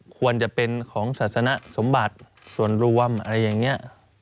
ควรจะเป็นของศาสนสมบัติส่วนรวมอะไรอย่างนี้